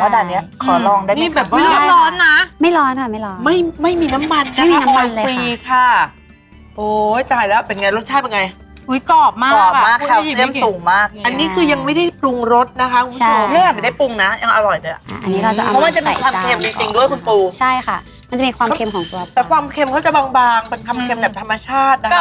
ว่าเอาไปทานกับข้าวต้มอร่อยเลยนะครับใช่จริงค่ะใช่ใช่